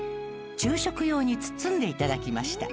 昼食用に包んでいただきました。